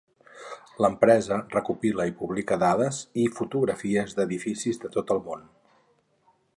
L'empresa recopila i publica dades i fotografies d'edificis de tot el món.